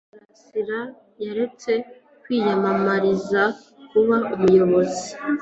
Karasira yaretse kwiyamamariza kuba umuyobozi